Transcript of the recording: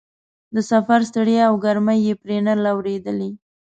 د سفر ستړیا او ګرمۍ یې پرې نه لورېدلې.